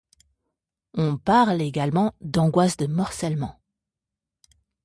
On parle également d'angoisse de morcellement.